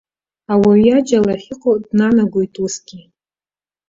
Ауаҩы иаџьал ахьыҟоу днанагоит усгьы.